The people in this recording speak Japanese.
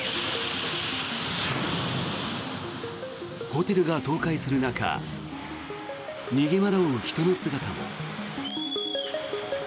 ホテルが倒壊する中逃げ惑う人の姿も。